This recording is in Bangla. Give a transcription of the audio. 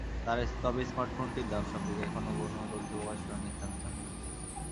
তবে স্মার্টফোনটির দাম সম্পর্কে এখনও কোনো তথ্য প্রকাশ করেনি স্যামসাং কর্তৃপক্ষ।